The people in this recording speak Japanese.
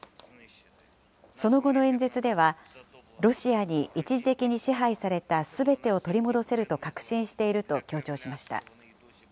その後の演説では、ロシアに一時的に支配されたすべてを取り戻せると確信していると強調しました。